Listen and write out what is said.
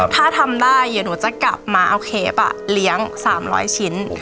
ถ้าทำได้เดี๋ยวหนูจะกลับมาเอาเคปเลี้ยง๓๐๐ชิ้น